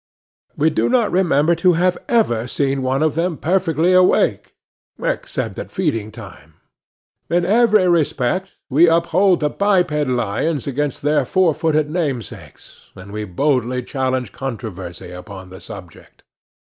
We do not remember to have ever seen one of them perfectly awake, except at feeding time. In every respect we uphold the biped lions against their four footed namesakes, and we boldly challenge controversy upon the subject.